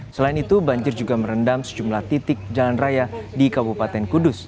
selain itu banjir juga merendam sejumlah titik jalan raya di kabupaten kudus